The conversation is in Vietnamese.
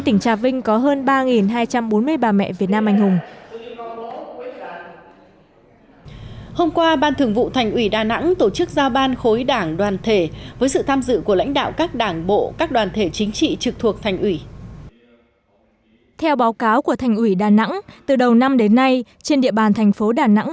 theo báo cáo của thành ủy đà nẵng từ đầu năm đến nay trên địa bàn thành phố đà nẵng